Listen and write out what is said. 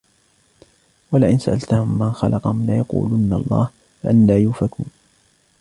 وَلَئِنْ سَأَلْتَهُمْ مَنْ خَلَقَهُمْ لَيَقُولُنَّ اللَّهُ فَأَنَّى يُؤْفَكُونَ